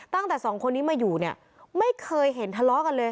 ตั้งแต่สองคนนี้มาอยู่เนี่ยไม่เคยเห็นทะเลาะกันเลย